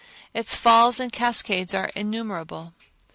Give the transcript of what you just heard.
Its falls and cascades are innumerable.